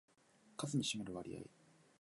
数に占める割合